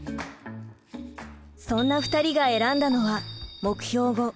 そんな２人が選んだのは目標